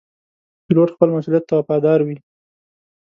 پیلوټ خپل مسؤولیت ته وفادار وي.